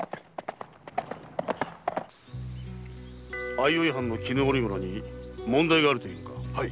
相生藩の絹織物に問題があると言うのか？